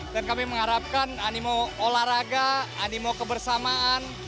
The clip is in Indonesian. dan kami mengharapkan animo olahraga animo kebersamaan